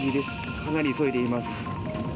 かなり急いでいます。